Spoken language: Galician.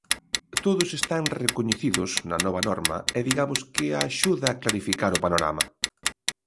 Todos están recoñecidos na nova norma e digamos que axuda a clarificar o panorama.